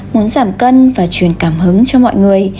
muốn giảm cân và truyền cảm hứng cho mọi người